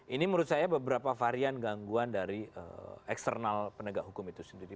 ini menurut saya beberapa varian gangguan dari eksternal penegak hukum itu sendiri